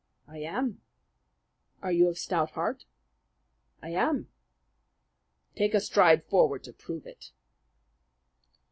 "I am." "Are you of stout heart?" "I am." "Take a stride forward to prove it."